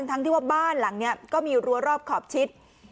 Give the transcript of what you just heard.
ทั้งที่ว่าบ้านหลังนี้ก็มีรั้วรอบขอบชิด